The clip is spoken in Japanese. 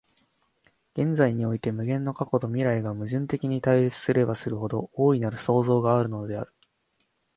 現在において無限の過去と未来とが矛盾的に対立すればするほど、大なる創造があるのである。